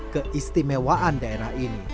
keistimewaan daerah ini